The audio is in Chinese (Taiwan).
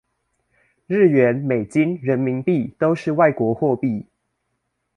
日圓美金人民幣都是外國貨幣